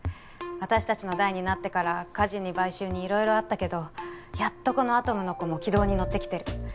私たちの代になってから火事に買収に色々あったけどやっとこのアトムの童も軌道に乗ってきてる